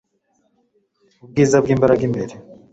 ubwiza bwimbaraga imbere